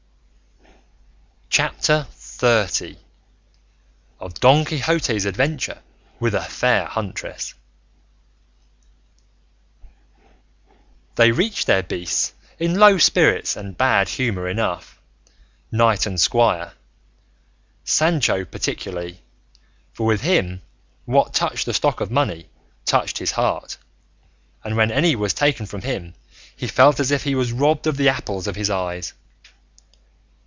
CHAPTER XXX. OF DON QUIXOTE'S ADVENTURE WITH A FAIR HUNTRESS They reached their beasts in low spirits and bad humour enough, knight and squire, Sancho particularly, for with him what touched the stock of money touched his heart, and when any was taken from him he felt as if he was robbed of the apples of his eyes.